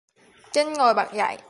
Chinh ngồi bật dậy